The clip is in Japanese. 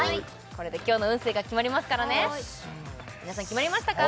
これで今日の運勢が決まりますからね皆さん決まりましたか？